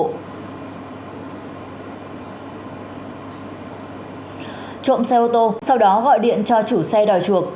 trộm xe ô tô sau đó gọi điện cho chủ xe đòi chuộc